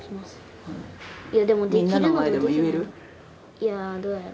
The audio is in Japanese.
いやどやろ。